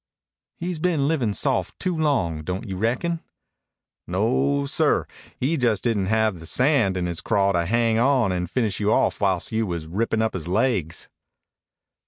"He's been livin' soft too long, don't you reckon?" "No, sir. He just didn't have the sand in his craw to hang on and finish you off whilst you was rippin' up his laigs."